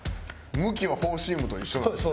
向きはフォーシームと一緒なんですね。